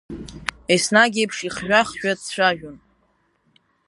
Еснагь еиԥш ихжәа-хжәа дцәажәон.